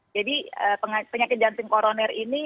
jadi penyakit jantung koroner ini